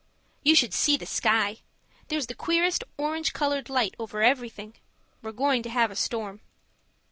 You should see the sky! There's the queerest orange coloured light over everything. We're going to have a storm.